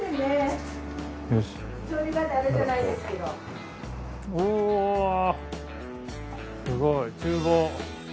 うおすごい厨房。